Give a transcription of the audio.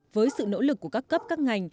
với sự nỗ lực của các cấp các ngành